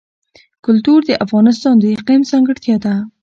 کلتور د افغانستان د اقلیم ځانګړتیا ده.